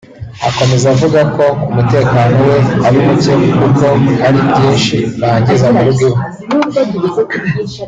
Akomeza avuga ko umutekano we ari muke kuko hari byinshi bangiza mu rugo iwe